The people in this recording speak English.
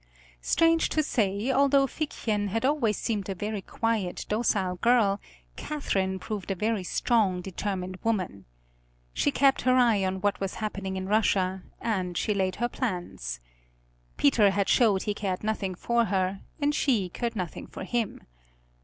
Strange to say, although Figchen had always seemed a very quiet, docile girl, Catherine proved a very strong, determined woman. She kept her eye on what was happening in Russia, and she laid her plans. Peter had showed he cared nothing for her, and she cared nothing for him.